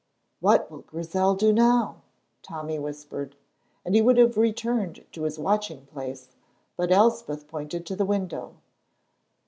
"What will Grizel do now?" Tommy whispered, and he would have returned to his watching place, but Elspeth pointed to the window.